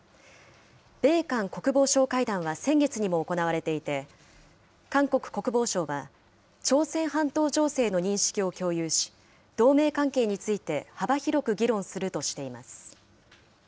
米韓国防相会談は先月にも行われていて、韓国国防省は、朝鮮半島情勢の認識を共有し、同盟関係について、幅広く議論するとしています。